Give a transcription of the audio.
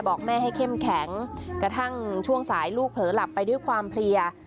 บอกแม่ให้เข้มแข็งกระทั่งช่วงสายลูกเผลอหลับไปด้วยความเพลีย